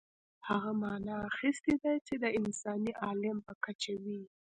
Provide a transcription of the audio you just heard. هغه معنا اخیستې ده چې د انساني عالم په کچه وي.